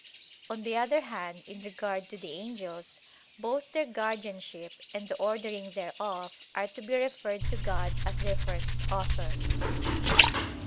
On the other hand, in regard to the angels, both their guardianship and the ordering thereof are to be referred to God as their first author.